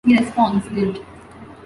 He responds Didn't.